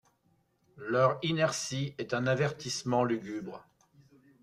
Leur inertie est un avertissement lugubre.